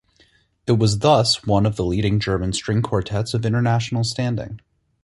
It was thus one of the leading German string quartets of international standing.